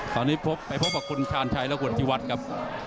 ตอนนี้ไปพบกับคุณชาญชัยและคุณธิวัฒน์ครับ